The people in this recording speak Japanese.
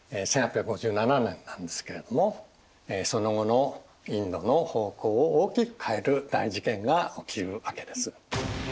１８５７年なんですけれどもその後のインドの方向を大きく変える大事件が起きるわけです。